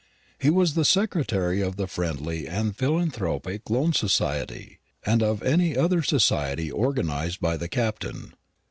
He was the secretary of the Friendly and Philanthropic Loan Society, and of any other society organised by the Captain.